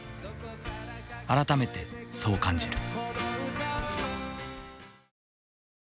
改めてそう感じる。